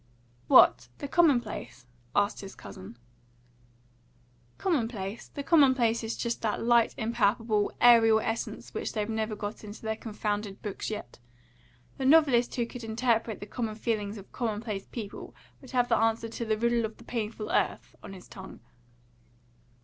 "What? the commonplace?" asked his cousin. "Commonplace? The commonplace is just that light, impalpable, aerial essence which they've never got into their confounded books yet. The novelist who could interpret the common feelings of commonplace people would have the answer to 'the riddle of the painful earth' on his tongue."